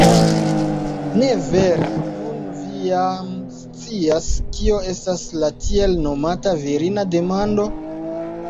Ne vere, nun vi jam scias, kio estas la tiel nomata virina demando?